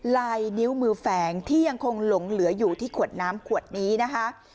ลายนิ้วมือแฝงที่ยังคงหลงเหลืออยู่ที่ขวดน้ำขวดนี้นะคะ